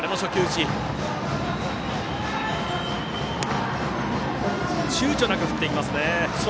ちゅうちょなく振ってきますね。